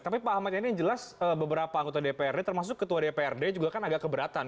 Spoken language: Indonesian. tapi pak ahmad yani yang jelas beberapa anggota dprd termasuk ketua dprd juga kan agak keberatan